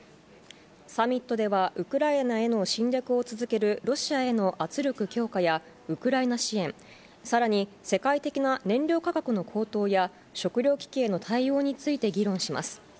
サミットではウクライナへの侵略を続けるロシアへの圧力強化やウクライナ支援、さらに世界的な燃料価格の高騰や食料危機への対応について議論します。